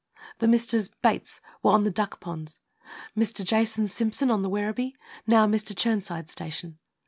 The Messrs. Bates were on the Duck Ponds ; Mr. Jas. Simpson on the Werribee, now Mr. Chirnside's station.